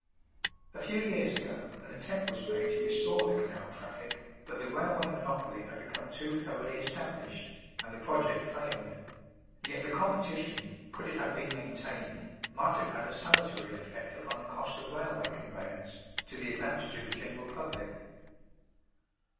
A few years ago an attempt was made to restore the canal traffic, but the railway monopoly had become too thoroughly established, and the project failed; yet the competition, could it have been maintained, might have had a salutary effect upon the cost of railway conveyance, to the advantage of the general public.